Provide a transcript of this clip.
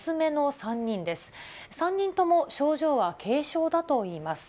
３人とも症状は軽症だといいます。